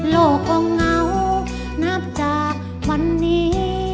โลกก็เหงานับจากวันนี้